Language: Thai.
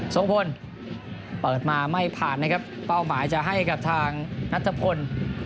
ทรงพลเปิดมาไม่ผ่านนะครับเป้าหมายจะให้กับทางนัทพล